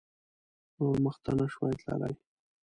نور مخته نه شوای تللای.